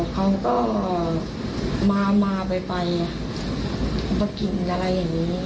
เขาก็มาไปมากินอะไรอย่างนี้